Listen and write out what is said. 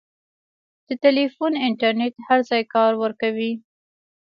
د ټیلیفون انټرنېټ هر ځای کار ورکوي.